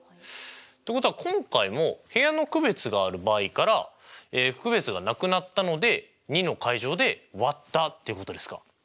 ってことは今回も部屋の区別がある場合から区別がなくなったので２の階乗で割ったということですか？